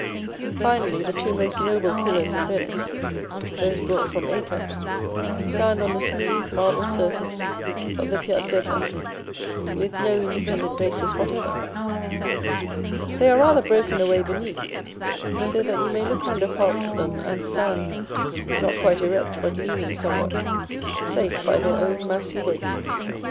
Finally, the two most noble pillars in Venice, those brought from Acre, stand on the smooth marble surface of the Piazzetta, with no independent bases whatever. They are rather broken away beneath, so that you may look under parts of them, and stand (not quite erect, but leaning somewhat) safe by their own massy weight.